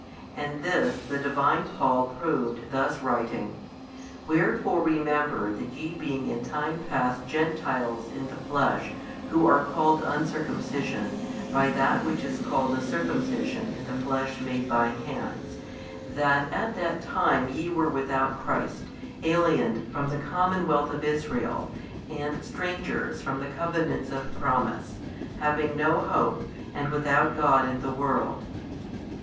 And this the Divine Paul proved thus writing, Wherefore remember that ye being in time past Gentiles in the flesh who are called Uncircumcision by that which is called the Circumcision in the flesh made by hands, that at that time ye were without Christ, aliened from the commonwealth of Israel, and strangers from the covenants of promise, having no hope and without |197 God in the world.